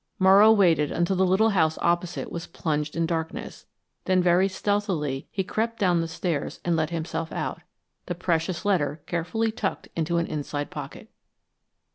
Morrow waited until the little house opposite was plunged in darkness; then very stealthily he crept down the stairs and let himself out, the precious letter carefully tucked into an inside pocket.